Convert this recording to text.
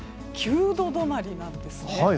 ９度止まりなんです。